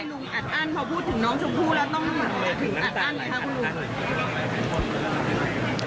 คุณลุงอัดอั้นเพราะพูดถึงน้องชมพู่แล้วต้องอัดอั้นอย่างนี้ครับคุณลุง